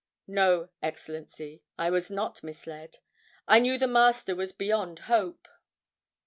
No, Excellency, I was not misled. I knew the Master was beyond hope!